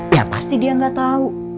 ya pasti dia nggak tahu